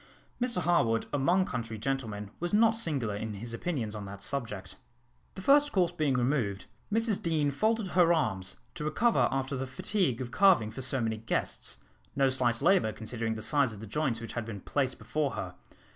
Mr Harwood among country gentlemen was not singular in his opinions on that subject. The first course being removed, Mrs Deane folded her arms, to recover after the fatigue of carving for so many guests; no slight labour, considering the size of the joints which had been placed before her.